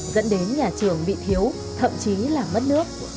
dẫn đến nhà trường bị thiếu thậm chí là mất nước